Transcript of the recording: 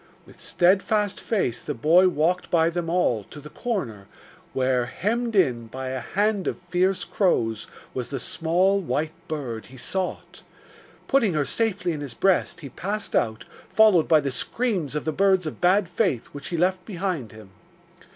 With steadfast face the boy walked by them all, to the corner, where, hemmed in by a hand of fierce crows, was the small white bird he sought. Putting her safely in his breast, he passed out, followed by the screams of the birds of Bad Faith which he left behind him.